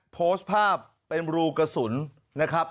โพสต์ภาพเป็นรูกระสุนนะครับ